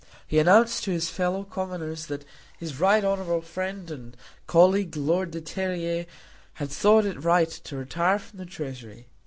He announced to his fellow commoners that his right honourable friend and colleague Lord de Terrier had thought it right to retire from the Treasury.